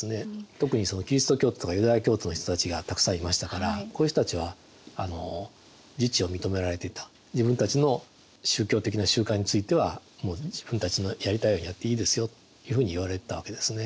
特にキリスト教徒とかユダヤ教徒の人たちがたくさんいましたからこういう人たちは自治を認められていた自分たちの宗教的な集会についてはもう自分たちのやりたいようにやっていいですよというふうに言われてたわけですね。